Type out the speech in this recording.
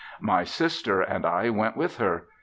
My sister and I went with her.